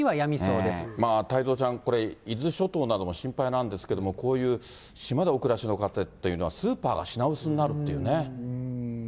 太蔵ちゃん、伊豆諸島なども心配なんですけれども、こういう島でお暮らしの方というのは、スーパーが品薄になるっていうね。